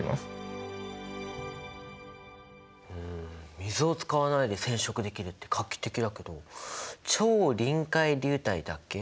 水を使わないで染色できるって画期的だけど超臨界流体だっけ？